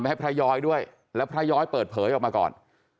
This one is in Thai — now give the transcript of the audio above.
จากนะครับพระย้อยให้ฟรายอยด้วยแล้วพระย้อยเปิดเผยออกมาก่อน